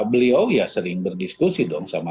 beliau ya sering berdiskusi dong sama